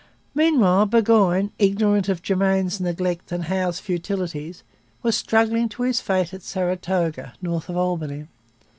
Meanwhile Burgoyne, ignorant of Germain's neglect and Howe's futilities, was struggling to his fate at Saratoga, north of Albany.